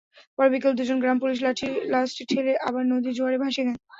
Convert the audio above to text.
পরে বিকেলে দুজন গ্রাম পুলিশ লাশটি ঠেলে আবার নদীর জোয়ারে ভাসিয়ে দেন।